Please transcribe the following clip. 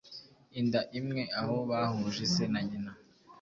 inda imwe, aho bahuje se na nyina